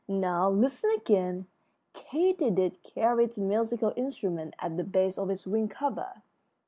Now, listen again. Katydid carries its musical instrument at the base of its wing cover.